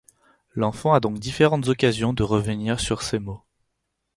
L'enfant a donc différentes occasions de revenir sur ces mots.